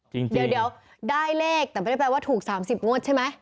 เดี๋ยวได้เลขแต่ไม่ได้แปลว่าถูก๓๐งวดใช่ไหม